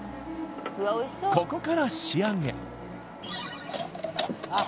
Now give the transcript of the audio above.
ここから仕上げあっ！